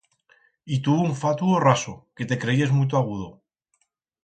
Y tu un fatuo raso, que te creyes muito agudo.